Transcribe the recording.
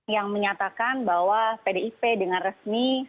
yang menyatakan bahwa pdip dengan resmi